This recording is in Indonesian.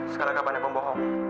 sekarang gak banyak yang bohong